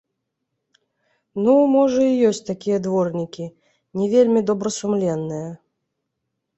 Ну, можа ёсць такія дворнікі, не вельмі добрасумленныя.